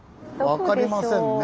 分かりませんね。